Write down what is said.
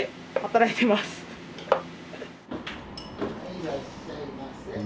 いらっしゃいませ。